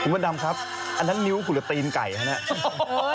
คุณพระดำครับอันนั้นนิ้วกลุลตีนไก่ไหมน่ะ